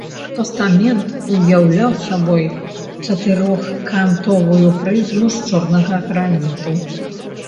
Пастамент уяўляў сабой чатырохкантовую прызму з чорнага граніту.